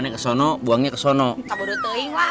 bukan itu yang terlalu banyak